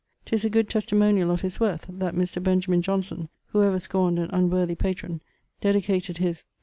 'Tis a good testimoniall of his worth, that Mr. Benjamin Johnson (who ever scorned an unworthy patrone) dedicated his